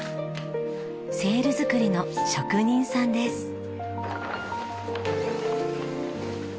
セール作りの職人さんです。